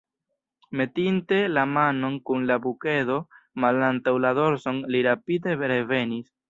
Metinte la manon kun la bukedo malantaŭ la dorson, li rapide revenis.